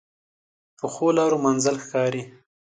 پخو لارو منزل ښکاري